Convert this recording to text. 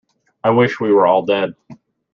I wish we were all dead.